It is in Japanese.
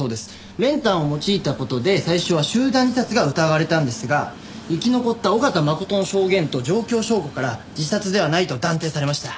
練炭を用いた事で最初は集団自殺が疑われたんですが生き残った緒方真琴の証言と状況証拠から自殺ではないと断定されました。